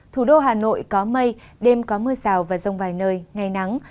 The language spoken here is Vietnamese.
thủ đô hà nội có mây đêm có mưa rào và rông vài nơi ngày nắng